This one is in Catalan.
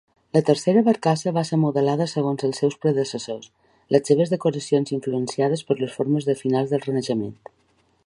La tercera barcassa va ser modelada segons els seus predecessors, les seves decoracions influenciades per les formes de finals del Renaixement.